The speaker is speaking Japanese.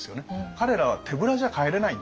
彼らは手ぶらじゃ帰れないんですよね。